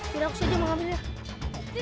tidak mungkin andi